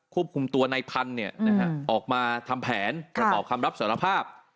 ควบคุมตัวนายพันธุ์เนี่ยออกมาทำแผนและตอบคำรับสารภาพ